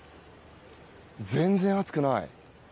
全然暑くない。